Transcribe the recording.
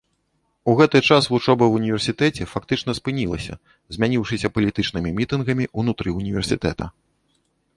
У гэты час вучоба ў універсітэце фактычна спынілася, змяніўшыся палітычнымі мітынгамі ўнутры універсітэта.